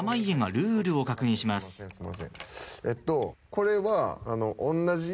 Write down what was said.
これは。